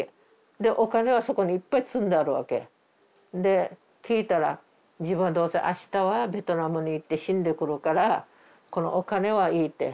でお金はそこにいっぱい積んであるわけ。で聞いたら「自分はどうせ明日はベトナムに行って死んでくるからこのお金はいい」って。